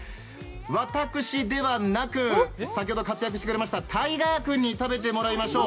私ではなく、先ほど活躍してくれましたた伊賀ーくんに食べてもらいましょう。